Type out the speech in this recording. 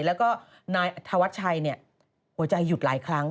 แล้วก็นายธวัชชัยหัวใจหยุดหลายครั้ง